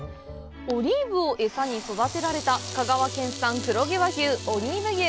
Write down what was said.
オリーブを餌に育てられた香川県産黒毛和牛、オリーブ牛。